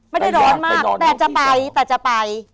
ไม่ได้ร้อนมากแต่จะไปแต่จะไป